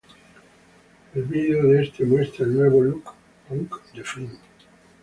El video de este, muestra el nuevo "look" punk de Flint.